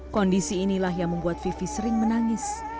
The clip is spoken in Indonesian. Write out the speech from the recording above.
kondisi inilah yang membuat vivi sering menangis